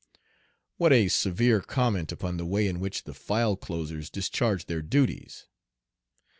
What a severe comment upon the way in which the file closers discharge their duties!